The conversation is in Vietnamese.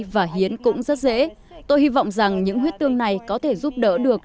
và hiến cũng rất dễ tôi hy vọng rằng những huyết tương này có thể giúp đỡ được